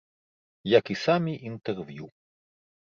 Як і самі інтэрв'ю.